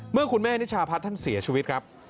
เมื่อคุณแม่นิชาพัฒน์ท่านเสียชีวิตครับ